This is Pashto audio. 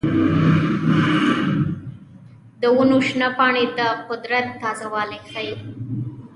د ونو شنه پاڼې د قدرت تازه والی ښيي.